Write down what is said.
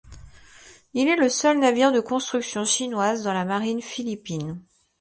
Il est le seul navire de construction chinoise dans la marine philippine.